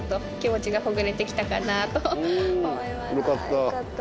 よかった。